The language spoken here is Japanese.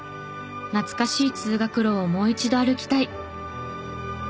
懐かしい通学路をもう一度歩きたい。